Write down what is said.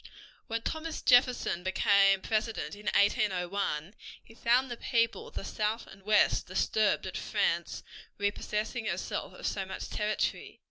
When Thomas Jefferson became President in 1801, he found the people of the South and West disturbed at France's repossessing herself of so much territory.